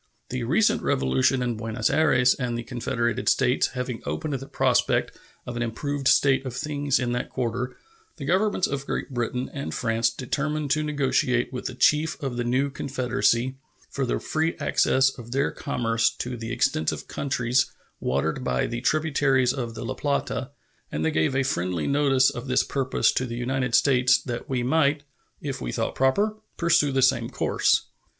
The recent revolution in Buenos Ayres and the Confederated States having opened the prospect of an improved state of things in that quarter, the Governments of Great Britain and France determined to negotiate with the chief of the new confederacy for the free access of their commerce to the extensive countries watered by the tributaries of the La Plata; and they gave a friendly notice of this purpose to the United States, that we might, if we thought proper, pursue the same course.